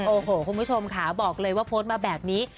โอ้โหคุณผู้ชมค่ะบอกเลยว่าโพสต์มาแบบนี้